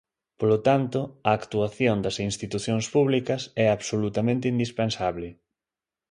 Polo tanto, a actuación das institucións públicas é absolutamente indispensable.